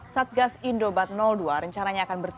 satgas indobat dua rencananya akan bertemu